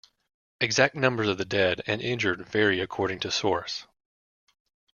Exact numbers of the dead and injured vary according to source.